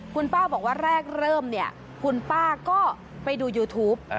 คุณป้าบอกว่าแรกเริ่มเนี่ยคุณป้าก็ไปดูยูทูป